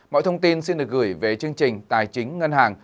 mọi thông tin xin được gửi về chương trình tài chính ngân hàng